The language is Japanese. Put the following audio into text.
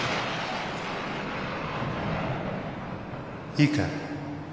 いいか？